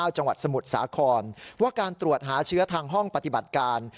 จังหวัดสมุทรสาครว่าการตรวจหาเชื้อทางห้องปฏิบัติการ